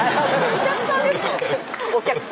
お客さんです